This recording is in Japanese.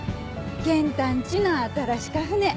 ケン太んちの新しか船。